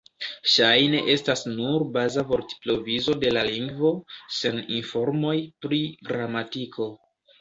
Ŝajne estas nur baza vortprovizo de la lingvo, sen informoj pri gramatiko.